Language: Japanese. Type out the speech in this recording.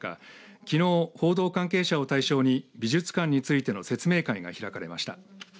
きのう報道関係者を対象に美術館についての説明会が開かれました。